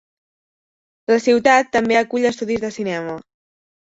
La ciutat també acull estudis de cinema.